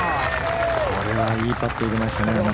これはいいパットを入れましたね。